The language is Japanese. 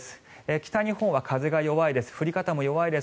北日本は風が弱いです。